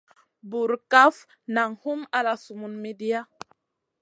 Burkaf nang hum ala sumun midia.